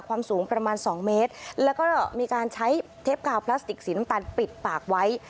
ความสูงประมาณสองเมตรแล้วก็มีการใช้เทปกาวพลาสติกสีน้ำตาลปิดปากไว้